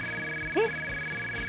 えっ！